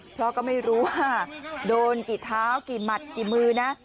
เพราะก็ไม่รู้ว่าโดนกี่เท้ากี่หมัดกี่มือนะ